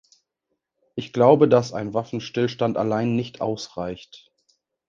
Ich glaube, dass ein Waffenstillstand allein nicht ausreicht.